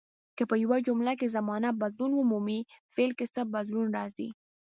که په یوه جمله کې زمانه بدلون ومومي فعل کې څه بدلون راځي.